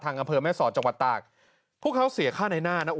อำเภอแม่สอดจังหวัดตากพวกเขาเสียค่าในหน้านะ